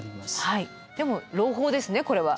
でも朗報ですねこれは。